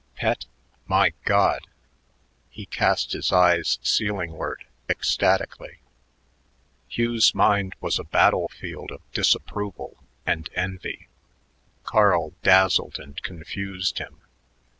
"Pet? My God!" He cast his eyes ceilingward ecstatically. Hugh's mind was a battle field of disapproval and envy. Carl dazzled and confused him.